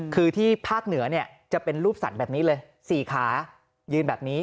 คือที่ภาคเหนือเนี่ยจะเป็นรูปสัตว์แบบนี้เลย๔ขายืนแบบนี้